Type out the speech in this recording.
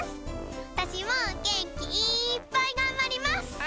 わたしもげんきいっぱいがんばります。